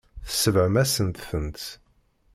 Tsebɣem-asent-tent.